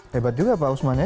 hebat juga pak usman ya